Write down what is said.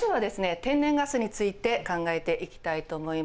天然ガスについて考えていきたいと思います。